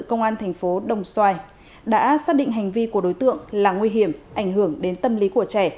công an thành phố đồng xoài đã xác định hành vi của đối tượng là nguy hiểm ảnh hưởng đến tâm lý của trẻ